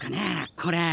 これ。